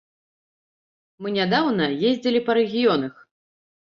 Мы нядаўна ездзілі па рэгіёнах.